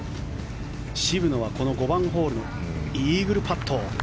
渋野はこの５番ホールイーグルパット。